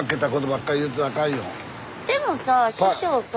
でもさ師匠さ。